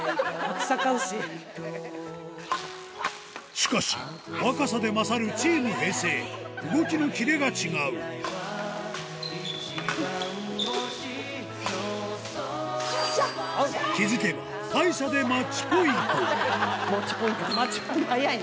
しかし若さで勝るチーム平成動きのキレが違う気付けば大差でマッチポイント